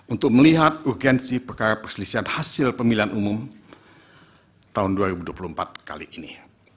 untuk melihat urgensi perkara perselisihan hasil pemilihan umum tahun dua ribu dua puluh empat kali ini